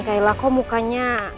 non kelam kok mukanya